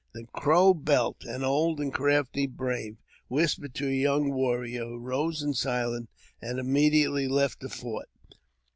The Crow Belt, an old and crafty brave, whispered to a young warrior, who rose in silence, and immediately left the fort.